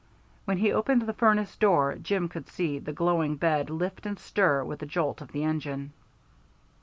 When he opened the furnace door, Jim could see the glowing bed lift and stir with the jolt of the engine.